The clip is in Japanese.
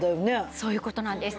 そういう事なんです。